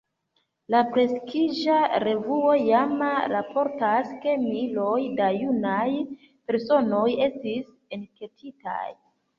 La prestiĝa revuo Jama raportas, ke miloj da junaj personoj estis enketitaj.